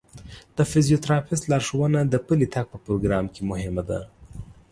د فزیوتراپیست لارښوونه د پلي تګ په پروګرام کې مهمه ده.